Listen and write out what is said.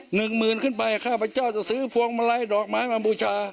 หนึ่งหมื่นขึ้นไปข้าพเจ้าจะซื้อพวงมาลัยดอกไม้มาบูชา